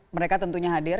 mereka tentunya hadir